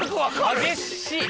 激しい！